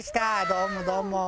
どうもどうも。